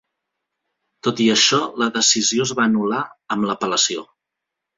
Tot i això, la decisió es va anul·lar amb l'apel·lació.